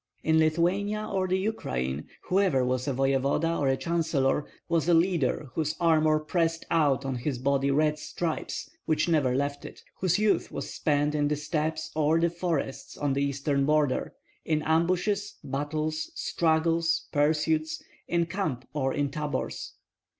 In Lithuania or the Ukraine whoever was a voevoda or a chancellor was a leader whose armor pressed out on his body red stripes which never left it, whose youth was spent in the steppes or the forests on the eastern border, in ambushes, battles, struggles, pursuits, in camp or in tabors.